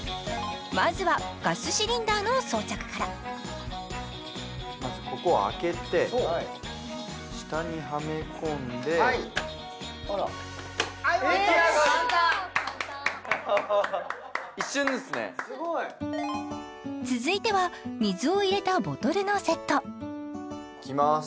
まずはガスシリンダーの装着からまずここを開けて下にはめ込んではいはいワンタッチ出来上がりすごい続いては水を入れたボトルのセットいきます